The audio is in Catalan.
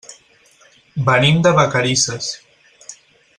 Venim de Vacarisses.